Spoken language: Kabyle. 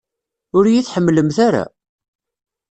Ur iyi-tḥemmlemt ara?